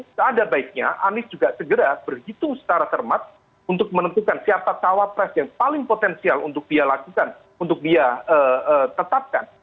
seada baiknya anies juga segera berhitung secara cermat untuk menentukan siapa cawapres yang paling potensial untuk dia lakukan untuk dia tetapkan